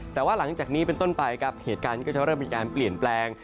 แต่ว่าหลังจากนี้เป็นต้นไปครับเหตุการณ์นี้ก็จะเริ่มมีการเปลี่ยนแปลง